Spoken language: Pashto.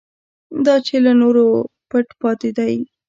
دا چې له نورو پټ پاتې دی.